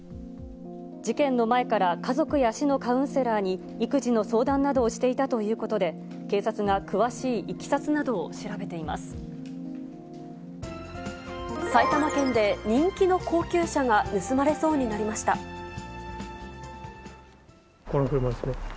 事件の前から家族や市のカウンセラーに、育児の相談などをしていたということで、警察が、詳しいいきさつなどを調べていま埼玉県で人気の高級車が盗まこの車ですね。